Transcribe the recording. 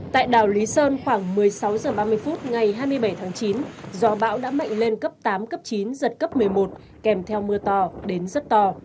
tại đảo lý sơn khoảng một mươi sáu h ba mươi phút ngày hai mươi bảy tháng chín gió bão đã mạnh lên cấp tám cấp chín giật cấp một mươi một kèm theo mưa to đến rất to